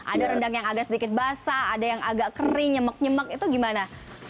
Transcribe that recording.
ada rendang yang agak sedikit basah ada yang agak kering nyemek nyemek itu gimana